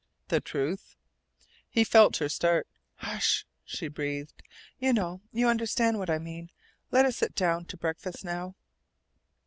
"The TRUTH?" He felt her start. "Hush!" she breathed. "You know you understand what I mean. Let us sit down to breakfast now."